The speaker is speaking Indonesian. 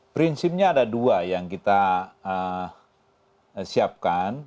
prinsipnya ada dua yang kita siapkan